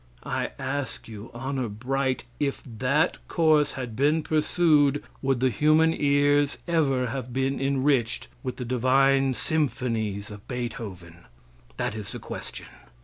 I ask you, honor bright, if that course had been pursued, would the human ears ever have been enriched with the divine symphonies of Beethoven? That is the question.